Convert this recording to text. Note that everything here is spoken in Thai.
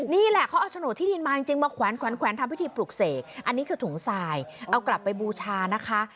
นี่แหละเขาเอาโฉนดที่ดินมาจริงมาแขวนทำพิธีปลุกเสกอันนี้คือถุงทรายเอากลับไปบูชานะคะ